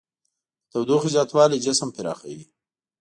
د تودوخې زیاتوالی جسم پراخوي.